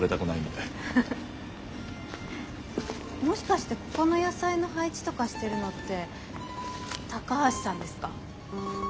もしかしてここの野菜の配置とかしてるのって高橋さんですか？